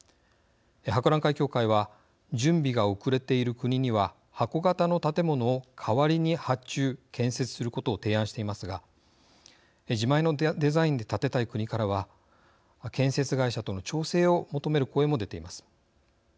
博覧会協会は準備が遅れている国には箱形の建物を代わりに発注、建設することを提案していますが自前のデザインで建てたい国からは建設会社との調整を求める声も出ています。